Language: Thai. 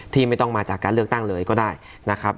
ไม่ต้องมาจากการเลือกตั้งเลยก็ได้นะครับ